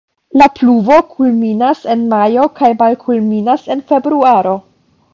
La pluvo kulminas en majo kaj malkulminas en februaro.